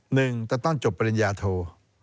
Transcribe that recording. หนึ่งจะต้องจบปริญญาโท